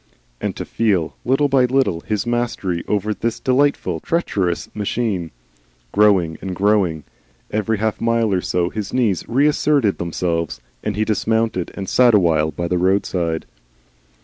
And to feel, little by little, his mastery over this delightful, treacherous machine, growing and growing! Every half mile or so his knees reasserted themselves, and he dismounted and sat awhile by the roadside.